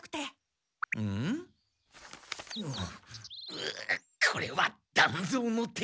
うっこれは団蔵の手紙か？